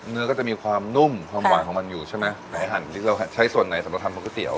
ก็จะมีความนุ่มความหวานของมันอยู่ใช่ไหมไหนหั่นที่เราใช้ส่วนไหนสำหรับทำของก๋วเตี๋ย